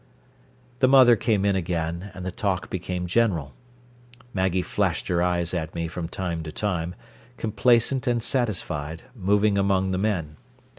The mother came in again, and the talk became general. Maggie flashed her eyes at me from time to time, complacent and satisfied, moving among the men.